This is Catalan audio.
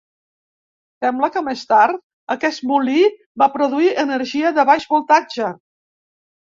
Sembla que més tard aquest molí va produir energia de baix voltatge.